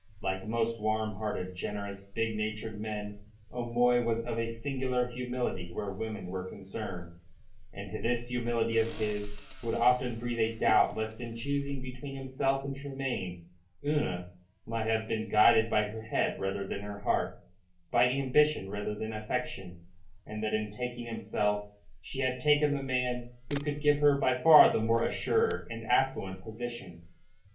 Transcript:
Like most warm hearted, generous, big natured men, O'Moy was of a singular humility where women were concerned, and this humility of his would often breathe a doubt lest in choosing between himself and Tremayne Una might have been guided by her head rather than her heart, by ambition rather than affection, and that in taking himself she had taken the man who could give her by far the more assured and affluent position.